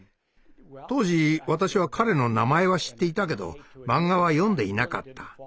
当時私は彼の名前は知っていたけどマンガは読んでいなかった。